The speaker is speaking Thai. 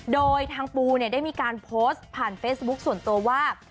โดยทางปูได้มีการโพสต์ผ่านเฟซบุ๊คส่วนตัวว่า